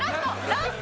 ラスト！